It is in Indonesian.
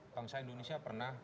bangsa indonesia pernah